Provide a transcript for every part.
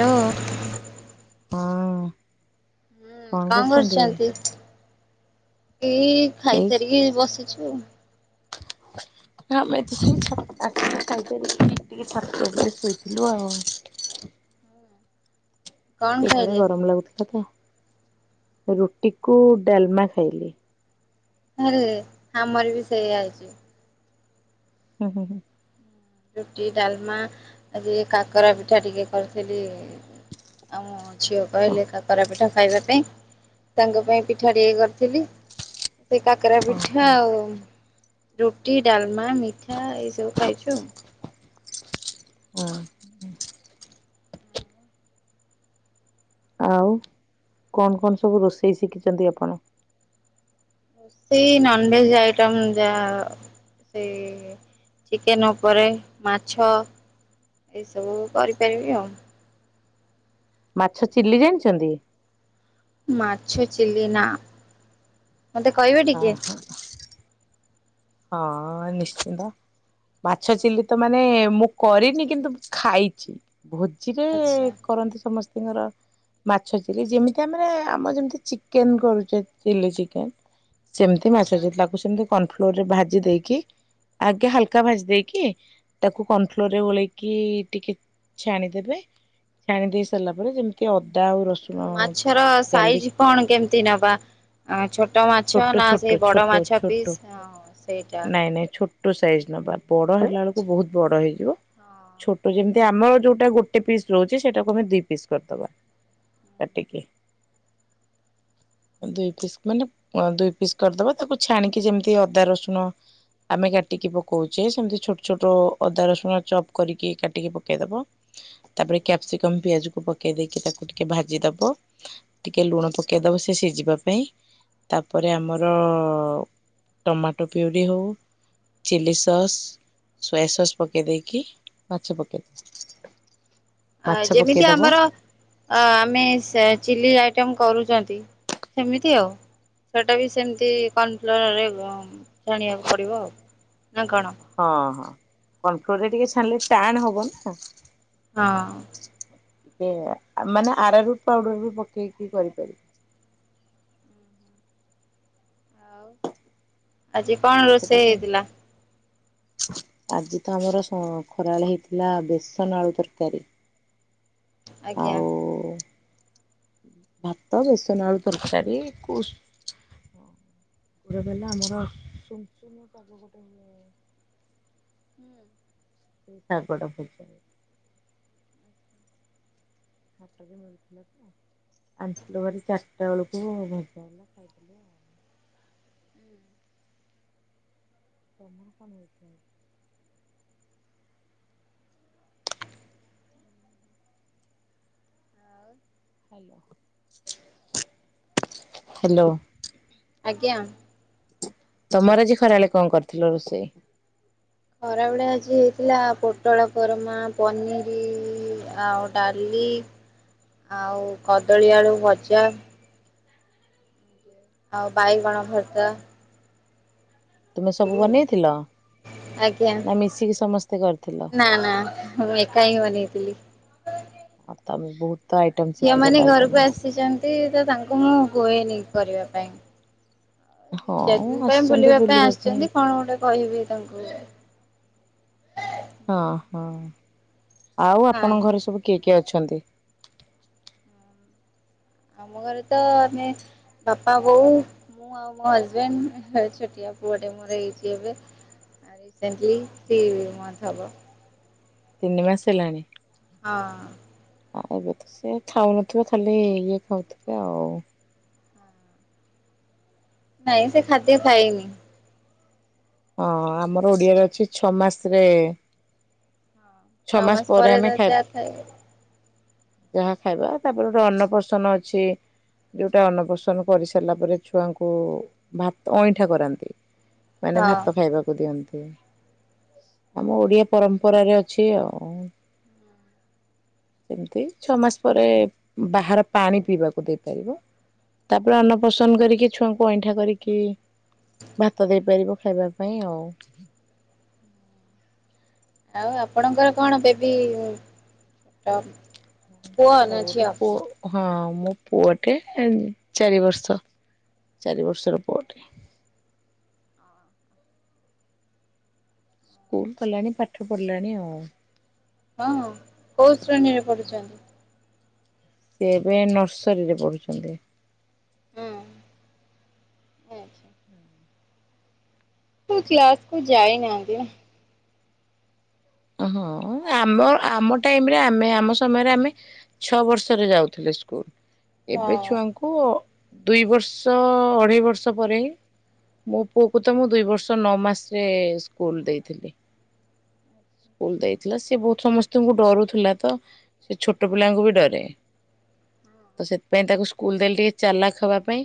Hello. କଣ। ହୁଁ କଣ କରୁଛନ୍ତି? କରୁଚନ୍ତି ଏଇ ଖାଇସାରିକି ବସିଛୁ ଆଉ। [inaudible] ନା ଆମେ ଏତେ [unintelligible] ଛାତ୍ ଆଠଟା [unintelligible] ଖାଇକରି ଟିକେ ଛାତ ଓପରେ ଶୋଇଥିଲୁ ଆଉ। କଣ ସେ ଘରେ ଖାଇଲେ? ଗରମ ଲାଗୁଥୁଲା ତ ରୁଟିକୁ ଡାଲମା ଖାଇଲି। ଆରେ ରେ ଆମର ବି ସେୟା ହେଇଚି। ହୁଁ ହୁଁ ହୁଁ। ରୁଟି, ଡାଲମା ଆଜି କାକରା ପିଠା ଟିକେ କରିଥିଲି ଆମ ଝିଅ କହିଲେ କାକରା ପିଠା ଖାଇବା ପାଇଁ। ତାଙ୍କ ପାଇଁ ପିଠା ଟିକେ କରିଥିଲି ସେଇ କାକରା ଓହୋ। ପିଠା ଆଉ ରୁଟି, ଡାଲମା, ମିଠା, ଏଇସବୁ ଖାଇଛୁ ଆଉ। ହଁ। ଆଉ କଣ କଣ ସବୁ ରୋଷେଇ ଶିଖିଚନ୍ତି ଆପଣ? ରୋଷେଇ ନନଭେଜ ଆଇଟମ୍ ଯାହା ସେଇ ଚିକେନ ଓପରେ ମାଛ ଏଇ ସବୁକୁ କରିପାରିବି ଆଉ। ମାଛ ଚିଲି ଜାଣିଚନ୍ତି? ମାଛ ଚିଲି ନା। ମତେ କଇବେ ଓହୋ। ହଁ ନିଶ୍ଚିନ୍ତ। ମାଛ ଚିଲି ତ ମାନେ ମୁଁ କରିନି କିନ୍ତୁ ଖାଇଚି। ଭୋଜିରେ ଆଚ୍ଛା କରନ୍ତି ସମସ୍ତିଙ୍କର। ମାଛ ଚିଲି ଯେମିତି ଆମେରେ ଆମର ଯେମିତି ଚିକେନ କରୁଚେ ଚିଲ ଚିକେନ ସେମତି ମାଛ ଆଚ୍ଛା। ଚିଲି ତାକୁ ସେମିତି କର୍ନଫ୍ଲୋରରେ ଭାଜି ଦେଇକି ଆଗେ ହାଲକା ଭାଜି ଦେଇକି ତାକୁ କର୍ନଫ୍ଲୋରରେ ଗୋଳେଇକି ଟିକେ ଛାଣିଦେବେ ଛାଣି ଦେଇ ସାରଲା ପରେ ଯେମତି ଅଦା ଆଉ ରସ୍ ମାଛର ସାଇଜ କଣ କେମିତି ନବା? ଆ ଛୋଟ ମାଛ ଛୋଟ ନା ଛୋଟ ସେଇ ବଡ ଛୋଟ ମାଛ ଛୋଟ ପିସ୍ ହଁ। ସେଇଟା। ନାଇଁ ନାଇଁ ଛୋଟ ସାଇଜ ନବା ବଡ ହେଲା ବେଳକୁ ବୋହୁତ ବଡ ହେଇଯିବ ଛୋଟ ଯେମତି ଆମର ଯୋଉଟା ଗୋଟେ ପିସ୍ ରହୁଚି ସେଇଟାକୁ ଆମେ ଦି ପିସ୍ କରିଦବା। କାଟିକି। ଅ ଦୁଇ ପିସ୍ ମାନେ ଦୁଇ ପିସ୍ କରିଦବା ତାକୁ ଛାଣିକି ଯେମିତି ଅ ଦା ରସୁଣ ଆମେ କାଟିକି ପକୋଉଚେ ସେମିତି ଛୋଟ ଛୋଟ ଅଦା ରସୁଣ ଚପ୍ କରିକି କାଟିକି ପକେଇଦବ। ତାପରେ କ୍ୟାପସିକମ ପିଆଜକୁ ପକେଇ ଦେଇକି ତାକୁ ଟିକେ ଭାଜି ଦବ। ଟିକେ ଲୁଣ ପକେଇଦବ ସିଏ ସିଝିବା ପାଇଁ ତାପରେ ଆମର ଟମାଟୋ ପ୍ୟୁରି ହୋଉ ଚିଲି ସସ୍, ସୋୟା ସସ୍ ପକେଇ ଦେଇକି ମାଛ ପକେଇ ଆ ମାଛ ଯେମିତି ପକେଇଦବ ଆମର ଅ ଆମେ ସେ ଚିଲି ଆଇଟମ କରୁଚନ୍ତି ସେମିତି ଆଉ। ସେଇଟା ବି ସେମିତି କର୍ଣ୍ଣ ଫ୍ଲୋରରେ ଛାଣିବାକୁ ପଡ଼ିବ ଆଉ ନା କଣ? ହଁ ହଁ କନଫ୍ଲୋରରେ ଟିକେ ଛାଣିଲେ ଟାଣ ହବ ନା। ହଁ। ମାନେ ଆର ରୁଟ ପାଉଡର ବି ପକେଇକି କରିପାରିବେ। ଆଉ ଆଜି କଣ ସେଟା ରୋଷେଇ ସେମିତି ହେଇଥିଲା? ଆଜି ତ ଆମର ଖରାବେଳେ ହେଇଥିଲା ବେସନ ଆଳୁ ତରକାରୀ। ଆଜ୍ଞା। ଆଉ ଭାତ ବେସନ ଆଳୁ ତରକାରୀ କୁ ଗୋଟେ ଗଲେ ଆମର ଗୋଟେ ହୁଁ। ସେଇ ଶାଗଡା ପୂଜ ହାଟରେ ମିଳୁଥିଲା ତ ଆଣିଥିଲୁ ଭାର ଚାରିଟା ବେଳକୁ ଭଜା ହେଲା ଖାଇଦେଲେ ଆଉ। ଅପନଙ୍କର କଣ ହେଇଥିଲା? ଆଉ ହ୍ୟାଲୋ ହ୍ୟାଲୋ। ଆଜ୍ଞା। ତମର ଆଜି ଖରାବେଳେ କଣ କରିଥିଲ ରୋଷେଇ? ଖରାବେଳେ ଆଜି ହେଇଥିଲା ପୋଟଳ କରମା, ପନିର ଆଉ ଡାଲି, ଆଉ କଦଳୀ ଆଳୁ ଭଜା। ଆଉ ବାଇଗଣ ଭରତା। ତୁମେ ସବୁ ବନେଇଥିଲ? ଆଜ୍ଞା, ନା ମିଶିକି ସମସ୍ତେ କରିଥିଲ? ନା ନା ମୁଁ ଏକା ହିଁ ବନେଇଥିଲି। ଆ ତମେ ବହୁତ ତ ଆଇଟମ ଆ ଝିଅ ଶିଖିଛ ମାନେ ତାହେଲେ ଘରକୁ ତମେ ଆସିଛନ୍ତି, ତ ତାଙ୍କୁ ମୁଁ କୁହେନି କରିବା ପାଇଁ। ଦି ଚାରି ଦିନ ପାଇଁ ବୁଲିବା ପାଇଁ ଆସିଛନ୍ତି କଣ ଗୋଟେ କହିବି ତାଙ୍କୁ। ହଁ ହଁ ଆଉ ନାଇଁ ଆପଣଙ୍କ ଘରେ ସବୁ କିଏ କିଏ ଅଛନ୍ତି? ଆମ ଘରେ ତ, ଆମେ ବାପା, ବୋଉ ମୁଁ ଆଉ ମୋ ହଜବେଣ୍ଡ ଛୋଟିଆ ପୁଅଟେ ମୋର ହେଇଛି ଏବେ। ରିସେଣ୍ଟଲି ଥ୍ରୀ ମନ୍ଥ ହବ। ତିନି ମାସ ହେଲାଣି? ହଁ। ଆ ଏବେ ତ ସେ ଖାଉନଥିବେ ଖାଲି ଇଏ ଖାଉଥିବେ ଆଉ। ନାଇଁ ସେ ଖାଦ୍ୟ ଖାଇନି। ହଁ ଆମର ଓଡିଆରେ ଅଛି ଛଅ ମାସରେ ଛଅ ମାସ ପରେ ଆମେ ଖାଇ ଯାହା ଖାଇବା ତାପରେ ଗୋଟେ ଅନ୍ନ ପ୍ରସନ୍ନ ଅଛି। ଯୋଉଟା ଅନ୍ନପ୍ରସନ୍ନ କରିସାରିଲା ପରେ ଛୁଆଙ୍କୁ, ଭାତ ଅଇଁଠା କରାନ୍ତି। ମାନେ ହଁ। ଭାତ ଖାଇବାକୁ ଦିଅନ୍ତି, ଆମ ଓଡିଆ ପରମ୍ପରାରେ ଅଛି ଆଉ। ଏମିତି ଛଅ ମାସ ପରେ ବାହାର ପାଣି ପିଇବାକୁ ଦେଇପାରିବ। ତାପରେ ଅନ୍ନପସନ୍ଦ କରିକି ଛୁଆଙ୍କୁ ଅଇଁଠା କରିକି ଭାତ ଦେଇପାରିବ ଖାଇବା ପାଇଁ ଆଉ। ଆଉ ଆପଣଙ୍କର କଣ ବେବି ଟପ ମୋର ଗୋଟେ ପୁଅ। ହଁ ମୋ ପୁଅଟେ ଚାରି ବର୍ଷ, ଚାରି ବର୍ଷର ପୁଅଟେ। ସ୍କୁଲ ଗଲାଣି ପାଠ ପଢ଼ିଲାଣି ଆଉ। ହଁ କୋଉ ଶ୍ରେଣୀରେ ପଢୁଛନ୍ତି? ସିଏ ଏବେ ନର୍ସରୀରେ ପଢ଼ୁଛନ୍ତି। ହଁ ଆ [inaudible] କ୍ଲାସ କୁ ଯାଇନାହାନ୍ତି ନା। ହଁ ଆମ ଆମ ଟାଇମରେ ଆମେ ଆମ ସମୟରେ ଆମେ ଛଅ ବର୍ଷରେ ଯାଉଥିଲେ ସ୍କୁଲ ଏବେ ହଁ। ଛୁଆଙ୍କୁ କୁ ଦୁଇ ବର୍ଷ ଅଢ଼େଇ ବର୍ଷ ପରେ ହିଁ ମୋ ପୁଅକୁ ତ ମୁଁ ଦୁଇ ବର୍ଷ ନଅ ମାସରେ ସ୍କୁଲ ଦେଇଥିଲି। ସ୍କୁଲ ଦେଇଥିଲା ସିଏ ବହୁତ ସମସ୍ତିଙ୍କୁ ଡରୁଥିଲା ତ ସିଏ ଛୋଟ ପିଲାଙ୍କୁ ବି ଡରେ। ତ ସେଥିପାଇଁ ତାକୁ ସ୍କୁଲ ଦେଲି ଟିକେ ଚାଲାଖ ହବା ପାଇଁ।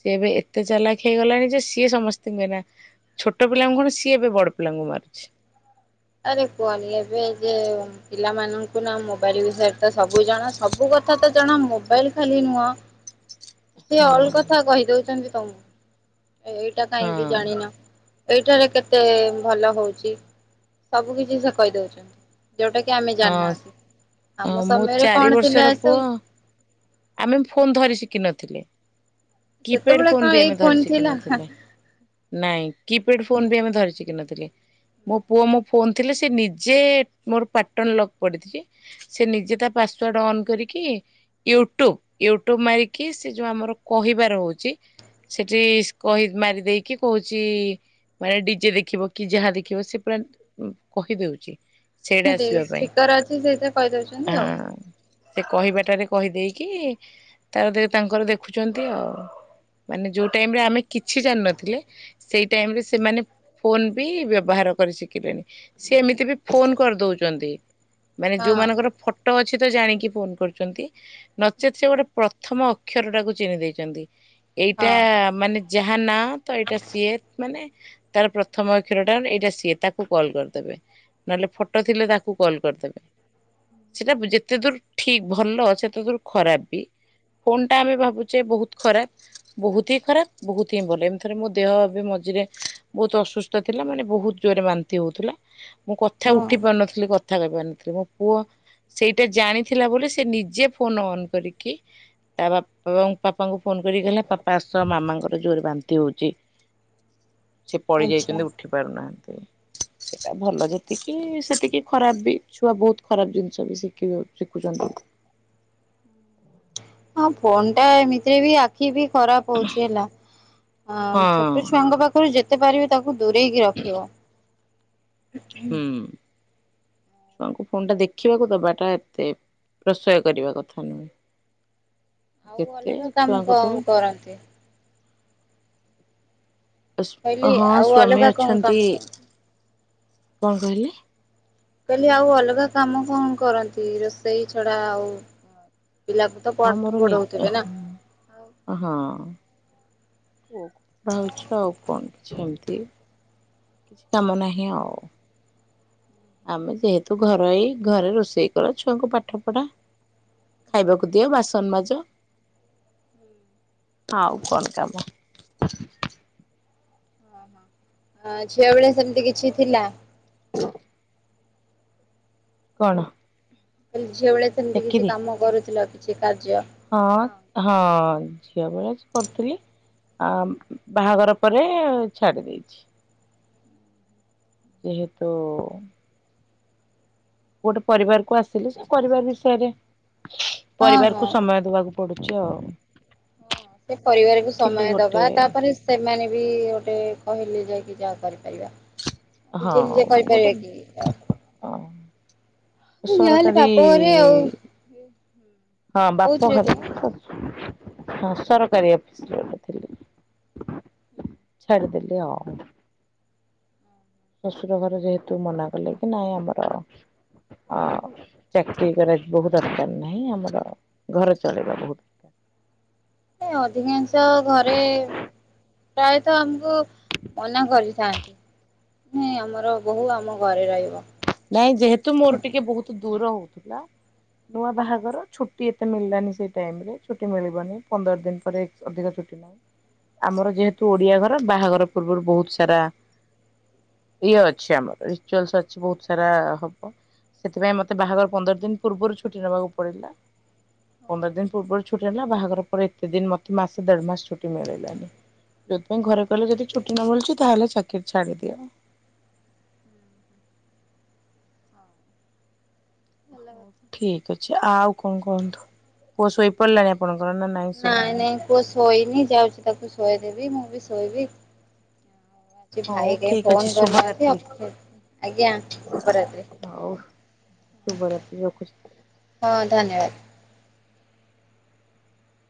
ସିଏ ଏବେ ଏତେ ଚାଲାଖ ହେଇଗଲାଣି ଯେ ସିଏ ସମସ୍ତିଙ୍କି ଏଇନା ଛୋଟ ପିଲାଙ୍କୁ କଣ ସିଏ ଏବେ ବଡ ପିଲାଙ୍କୁ ମାରୁଛି। ଆରେ କୁହନି ଏବେ ଯେ ପିଲାମାନଙ୍କୁ ନା ମୋବାଇଲ ବିଷୟରେ ତ ସବୁ ଜଣା ସବୁ କଥା ତ ଜଣା ମୋବାଇଲ ଖାଲି ନୁହଁ। [inaudible] ସିଏ ଅଲ କଥା କହିଦଉଚନ୍ତି ତମୁକୁ ଏଇଟା ହଁ କାହିଁକି ଜାଣିନ? ଏଇଠାରେ କେତେ ଭଲ ହଉଚି? ସବୁ କିଛି ସିଏ କଇଦଉଚନ୍ତି। ଯୋଉଟା କି ଆମେ ହଁ ଜାଣିନାହାନ୍ତି ହଁ ଆମ ମୋ ସମୟରେ ଚାରି କଣ ବର୍ଷର ଥିଲା ପୁଅ ଏସବୁ? ଆମେ ଫୋନ୍ ଧରି ଶିଖିିନଥିଲେ। କିପ୍ୟାଡ ସେତେବେଳେ ଫୋନ କଣ ବି ଏଇ ଆମେ ଫୋନ ଧରି ଥିଲା। ଶିଖିନଥିଲେ ନାଇଁ କିପ୍ୟାଡ଼ ଫୋନ ବି ଆମେ ଧରି ସି କି ନଥିଲି ମୋ ପୁଅ ମୋ ଫୋନ ଥିଲେ ସିଏ ନିଜେ ମୋର ପାଟନ ଲକ୍ ପଡିଚି ସେ ନିଜେ ତା ପାସୱାର୍ଡ ଅନ୍ କରିକି ୟୁଟ୍ୟୁବ ୟୁଟ୍ୟୁବ ମାରିକି ସେ ଯୋଉ ଆମର କହିବାର ରହୁଚି ସେଠି କହି ମାରିଦେଇକି କହୁଚି ମାନେ ଡିଜେ ଦେଖିବ କି ଯାହା ଦେଖିବ ସେ ପୁରା କହିଦଉଚି ସେଇଟା ସେଇ ଆସିବା ପାଇଁ ସ୍ପିକର ଅଛି ସେଇଟାରେ କଇଦଉଚନ୍ତି ଆଉ। ହଁ ସେ କହିବାଟାରେ କହିଦେଇକି ତାର ଦେ ତାଙ୍କର ଦେଖୁଚନ୍ତି ଆଉ। ମାନେ ଯୋଉ ଟାଇମରେ ଆମେ କିଛି ଜାଣିନଥିଲେ ସେଇ ଟାଇମରେ ସେମାନେ ଫୋନ ବି ବ୍ୟବହାର କରି ଶିଖିଲେଣି। ସିଏ ଏମିତି ବି ଫୋନ କରିଦଉଚନ୍ତି ମାନେ ହଁ ଯୋଉମାନଙ୍କର ଫ ଟ ଅଛି ତ ଜାଣିକି ଫୋନ କରୁଚନ୍ତି। ନଚେତ୍ ସେ ଗୋଟେ ପ୍ରଥମ ଅକ୍ଷରଟାକୁ ଚିହ୍ନି ଦେଇଚନ୍ତି ଏଇଟା ହଁ। ମାନେ ଯାହା ନା ତ ଏଇଟା ସିଏ ମାନେ ତାର ପ୍ରଥମ ଅକ୍ଷରଟା ଏଇଟା ସିଏ ତାକୁ କଲ୍ କରିଦେବେ ନହେଲେ ଫଟୋ ଥିଲେ ତାକୁ କଲ୍ କରିଦେବେ। ସେଟା ଯେତେ ଦୂର୍ ଠିକ୍ ଭଲ ସେତେ ଦୂର୍ ଖରାପ ବି। ଫୋନଟା ଆମେ ଭାବୁଚେ ବହୁତ ଖରାପ ବହୁତ ହିଁ ଖରାପ ବହୁତ ହିଁ ଭଲ ଏମିତିରେ ମୋ ଦେହ ବି ମଝିରେ ବହୁତ ଅସୁସ୍ଥ ଥିଲା ମାନେ ବହୁତ୍ ଜୋରରେ ବାନ୍ତି ହଉଥୁଲା ମୁଁ କଥା ଉ ହଁ ନଥିଲି କଥା କଇ ପାରୁନଥିଲି ମୋ ପୁଅ ସେଇଟା ଜାଣିଥିଲା ବୋଲି ସେ ନିଜେ ଫୋନ ଅନ୍ କରିକି ତା ବାପା ପାପାଙ୍କୁ ଫୋନ କରିକି କହିଲା ପାପା ଆସ ମାମାଙ୍କର ଜୋରେ ବାନ୍ତି ହଉଚି। ସେ ପଡି ଆଚ୍ଛା ଯାଇଚନ୍ତି ଉଠି ପାରୁନାହାନ୍ତି ସେଟା ଭଲ ଯେତିକି କି ସେତିକି ଖରାପ ବି ଛୁଆ ବହୁତ ଖରାପ ଜିନିଷ ବି ଶିକିବେ ଶିକୁଚନ୍ତି। ହଁ ଫୋନ୍ ଟା ଏମିତିରେ ବି ଆ ଖି ବି ଖରାପ ହଉଚି ହେଲା ଅଁ ହଁ ଛୋଟ ଛୁଆଙ୍କ ପାଖରୁ ଯେତେ ପାରିବେ ତାକୁ ଦୂରେଇକି ରଖିବ। ହୁଁ। ଛୁଆଙ୍କୁ ଫୋନ୍ ଟା ଦେଖିବାକୁ ଦବାଟା ଏତେ ପ୍ରଶୟ କରିବା କଥା ନୁହେଁ। ଆଉ ଯେତେ ଅଲଗା କାମ ଛୁଆଙ୍କଠୁ କଣ କରନ୍ତି। ଏସ କହିଲି ହଁ ଆଉ ସ୍ଵାମୀ ଅଲଗା କଣ କାମ ଅଛନ୍ତି କରନ୍ତି? କଣ କହିଲେ? ମୁଁ କଇଲି ଆଉ ଅଲଗା କାମ କଣ କରନ୍ତି ରୋଷେଇ ଛଡା ଆଉ ପିଲାକୁ ତ ପାଠ ପଢଉଥିବେ ନା? ଆଉ ଅ ହଁ। ପୁଅକୁ ପଢ଼ାଉଛି ଆଉ କଣ କିଛି ଏମତି କିଛି କାମ ନାହିଁ ଆଉ। ଆମେ ଯେହେତୁ ଘରୋଇ ଘରେ ରୋଷେଇ କର ଛୁଆକୁ ପାଠପଢ଼ା। ଖାଇବାକୁ ଦିଅ ବାସନ ମାଜ। ଆଉ କଣ କାମ? ହଁ ହଁ। ହଁ ଝିଅ ବେଳେ ସେମତି କିଛି ଥିଲା? କଣ? ଅଲ୍ ଝିଅବେଳେ ସେମତି କିଛି ଚାକିରି କାମ କରୁଥିଲ କିଛି କାର୍ଯ୍ୟ? ହଁ, ହଁ ଝିଅ ବେଳେ ସ୍ କରୁଥୁଲି। ଆ ବାହାଘର ପରେ ଛାଡ଼ି ଦେଇଛି। ଯେହେତୁ ଗୋଟେ ପରିବାରକୁ ଆସିଲି ସେ ପରିବାର ବିଷୟରେ ହଁ ହଁ। ପରିବାରକୁ ସମୟ ଦବାକୁ ପଡ଼ୁଚି ଆଉ। ହଁ ସେ ପରିବାରକୁ ଥିଲି ସମୟ ଗୋଟେ ଦବା ତାପରେ ସେମାନେ ବି ଗୋଟେ କହିଲେ ଯାଇକି ଯାହା କରିପାରିବା। ହଁ ନିଜେ ନିଜେ ମୁଁ ଗୋଟେ କରିପାରିବେ କି ତ ଏ ଯାହାହେଲେ ସରକାରୀ ବାପ ଘରେ ଆଉ ହଁ କୋଉଥିରେ ବାପଘର ଥିଲେ ହଁ ସରକାରୀ ଅଫିସ୍ ରେ ଗୋଟେ ଥିଲି ଛାଡ଼ିଦେଲି ଆଉ। ଶଶୁର ଘରେ ଯେହେତୁ ମନା କଲେ କି ନାଇଁ ଆମର ଅଁ ଚାକିରୀ କଲା ବୋହୂ ଦରକାର ନାହିଁ ଆମର ଘର ଚଳେଇବା ବୋହୂ ଏ ଅଧିକାଂଶ ଘରେ ପ୍ରାୟତଃ ଆମୁକୁ ମନା କରିଥାନ୍ତି ମାନେ ଆମର ବୋହୂ ଆମ ଘରେ ରହିବ। ନାଇଁ ଯେହେତୁ ମୋର ଟିକେ ବୋହୁତ ଦୂର ହୋଉଥିଲା ନୂଆ ବାହାଘର ଛୁଟି ଏତେ ମିଳିଲାନି ସେଇ ଟାଇମ୍ ରେ ଛୁଟି ମିଳିବନି ପନ୍ଦର ଦିନ ପରେ ଅଧିକ ଛୁଟି ନାହିଁ ଆମର ଯେହେତୁ ଓଡ଼ିଆ ଘର ବାହାଘର ପୂର୍ବରୁ ବୋହୁତ ସାରା ଇଏ ଅଛି ଆମର ରିଚୁଆଲସ୍ ଅଛି ବହୁତ୍ ସ୍ ସାରା ହବ ସେଥିପାଇଁ ମତେ ବାହାଘର ପନ୍ଦର ଦିନ ପୂର୍ବରୁ ଛୁଟି ନେବାକୁ ପଡ଼ିଲା। ପନ୍ଦର ଦିନ ପୂର୍ବରୁ ଛୁଟି ହେଲା ବାହାଘର ପରେ ଏତେ ଦିନ ମତେ ମାସେ ଦେଢ଼ ମାସ ଛୁଟି ମିଳିଲାନି। ଯୋଉଥିପାଇଁ ଘରେ କହିଲେ ଯଦି ଛୁଟି ନ ମିଳୁଚି ତାହେଲେ ଚାକିରି ଛାଡ଼ିଦିଅ। ଭଲ ହଉ କଥା ଠିକ୍ ଅଛି। ଆଉ କଣ କହନ୍ତୁ ପୁଅ ଶୋଇ ପଡ଼ିଲାଣି ଆପଣଙ୍କର ନାଁ ନାଇଁ ନାଇଁ ପୁଅ ଶୋଇନି ଯାଉଚି ତାକୁ ଶୋଆଇଦେବି ମୁଁ ବି ଶୋଇବି। ଏ ହଉ ଭାଇ କେହି ଠିକ୍ ଅଛି ଫୋନ୍ କରିନାହାନ୍ତି ଶୁଭରାତ୍ରି ଅଫି ଆଜ୍ଞା ଶୁଭରାତ୍ରି। ହଉ। ଶୁଭରାତ୍ରି ରଖୁଚି। ହଁ ଧନ୍ୟବାଦ।